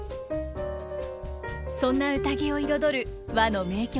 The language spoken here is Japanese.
そんな宴を彩る和の名曲の数々。